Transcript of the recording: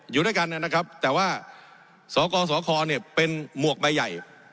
อยู่ด้วยกันนะครับแต่ว่าสกสคเนี่ยเป็นหมวกใบใหญ่